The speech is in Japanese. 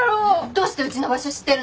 どうしてうちの場所知ってるの！？